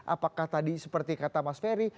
apakah tadi seperti kata mas ferry